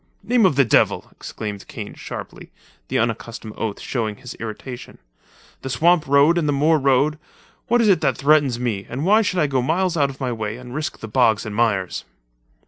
"Name of the Devil!" exclaimed Kane sharply, the unaccustomed oath showing his irritation; "the swamp road and the moor road—what is it that threatens me and why should I go miles out of my way and risk the bogs and mires?"